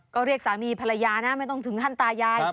ก็เรียกสามีภรรยานะไม่ต้องถึงขั้นตายาย